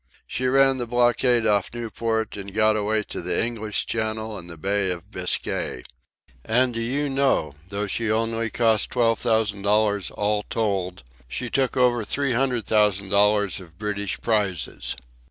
She ran the blockade off Newport and got away to the English Channel and the Bay of Biscay. And, do you know, though she only cost twelve thousand dollars all told, she took over three hundred thousand dollars of British prizes.